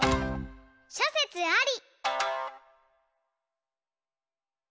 しょせつあり！